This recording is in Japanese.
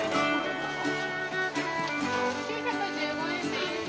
９１５円です。